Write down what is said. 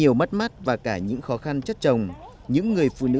cô mắc gần vũa rồi không có đâu giờ sắp tới không qua vũa